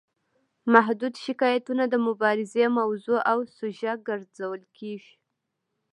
محدود شکایتونه د مبارزې موضوع او سوژه ګرځول کیږي.